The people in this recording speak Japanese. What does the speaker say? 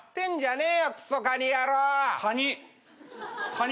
カニ。